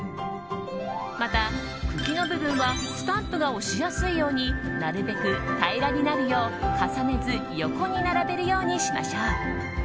また、茎の部分はスタンプが押しやすいようになるべく平らになるよう、重ねず横に並べるようにしましょう。